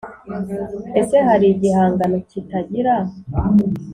Ese hari igihangano kitagira